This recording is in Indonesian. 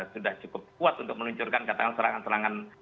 sudah cukup kuat untuk meluncurkan katakan serangan serangan